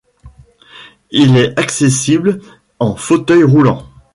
Il est accessible en fauteuil roulant.